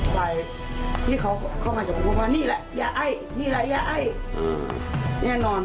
ใครที่เขาเข้ามาจะบอกว่านี่แหละยาไอ้นี่แหละยาไอ้แน่นอน